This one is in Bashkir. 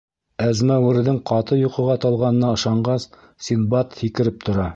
Әзмәүерҙең ҡаты йоҡоға талғанына ышанғас, Синдбад һикереп тора: